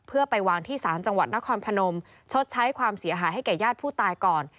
เพื่อไปวางที่ศาลจังหวัดนครพนมชดใช้ความเสียหายให้แก่ญาติผู้ตายก่อน